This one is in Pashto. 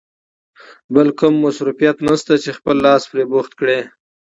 بل کوم مصروفیت نشته چې خپل لاس پرې بوخت کړې.